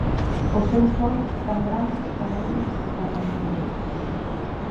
Os seus ollos, tan grandes, tan negros e tan mentireiros.